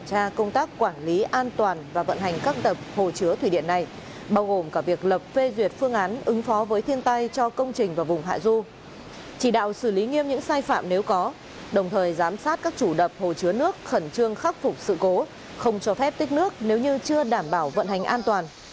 chỉ đạo vận hành các tập hồ chứa thủy điện này bao gồm cả việc lập phê duyệt phương án ứng phó với thiên tai cho công trình và vùng hạ du chỉ đạo xử lý nghiêm những sai phạm nếu có đồng thời giám sát các chủ đập hồ chứa nước khẩn trương khắc phục sự cố không cho phép tích nước nếu như chưa đảm bảo vận hành an toàn